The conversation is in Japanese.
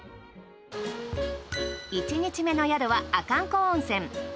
１日目の宿は阿寒湖温泉。